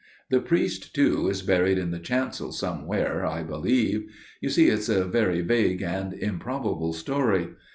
The priest, too, is buried in the chancel, somewhere, I believe. You see it's a very vague and improbable story.